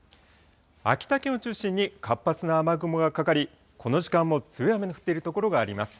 秋田県を中心に活発な雨雲がかかり、この時間も強い雨の降っている所があります。